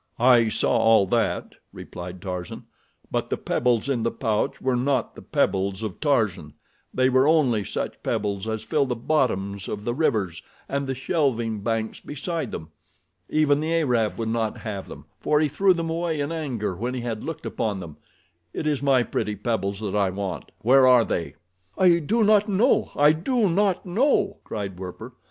"I saw all that," replied Tarzan; "but the pebbles in the pouch were not the pebbles of Tarzan—they were only such pebbles as fill the bottoms of the rivers, and the shelving banks beside them. Even the Arab would not have them, for he threw them away in anger when he had looked upon them. It is my pretty pebbles that I want—where are they?" "I do not know, I do not know," cried Werper.